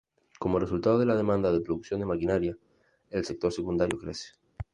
Como resultado de la demanda de producción de maquinaria, el sector secundario crece.